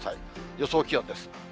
予想気温です。